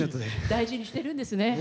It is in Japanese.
大事にしてるんですね。